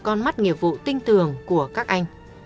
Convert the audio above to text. con mắt nghiệp vụ tinh thường của các anh